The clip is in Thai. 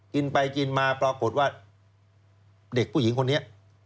กินไปกินมาปรากฏว่าเด็กผู้หญิงคนนี้